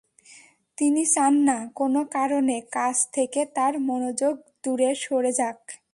তিনি চান না, কোনো কারণে কাজ থেকে তাঁর মনোযোগ দূরে সরে যাক।